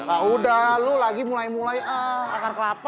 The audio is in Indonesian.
ah udah lu lagi mulai mulai ah akar kelapa